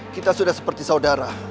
kita sudah seperti saudara